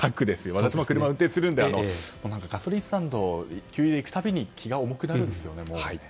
私も車を運転するのでガソリンスタンドに給油に行くたびに気が重くなるんですよね。